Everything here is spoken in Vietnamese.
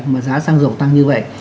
mà giá sang dầu tăng như vậy